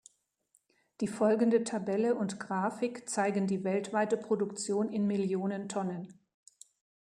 Die folgende Tabelle und Grafik zeigen die weltweite Produktion in Millionen Tonnen.